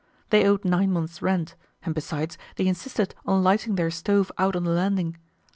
They owed nine months' rent, and besides, they insisted on lighting their stove out on the landing.